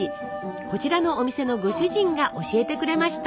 こちらのお店のご主人が教えてくれました。